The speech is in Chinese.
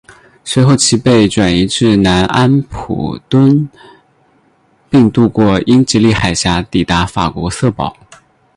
随后其被转移至南安普敦并渡过英吉利海峡抵达法国瑟堡。